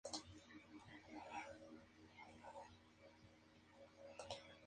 Fue enterrado en el Cementerio Forest Lawn Memorial Park, en Hollywood Hills.